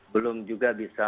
belum juga bisa